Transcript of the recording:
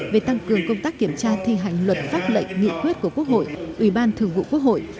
về tăng cường công tác kiểm tra thi hành luật pháp lệnh nghị quyết của quốc hội ủy ban thường vụ quốc hội